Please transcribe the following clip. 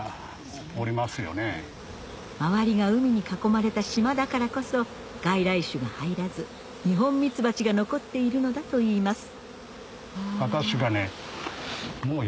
周りが海に囲まれた島だからこそ外来種が入らずニホンミツバチが残っているのだといいます